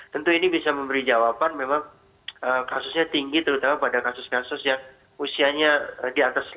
tentu ini bisa memberi jawaban memang kasusnya tinggi terutama pada kasus kasus yang usianya di atas lima puluh